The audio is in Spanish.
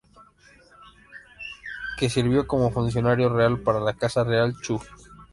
Que sirvió como funcionario real para la casa real Chu.